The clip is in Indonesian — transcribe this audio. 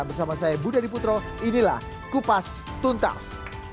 bersama saya budha diputro inilah kupas tuntas